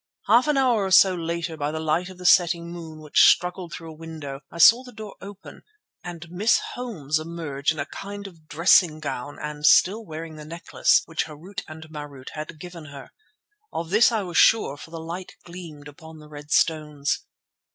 Half an hour or so later by the light of the setting moon which struggled through a window, I saw the door open and Miss Holmes emerge in a kind of dressing gown and still wearing the necklace which Harût and Marût had given her. Of this I was sure for the light gleamed upon the red stones.